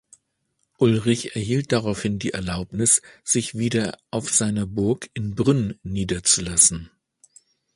Ulrich erhielt daraufhin die Erlaubnis, sich wieder auf seiner Burg in Brünn niederzulassen.